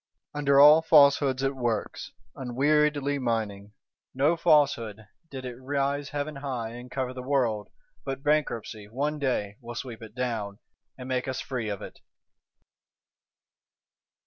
Under all Falsehoods it works, unweariedly mining. No Falsehood, did it rise heaven high and cover the world, but Bankruptcy, one day, will sweep it down, and make us free of it.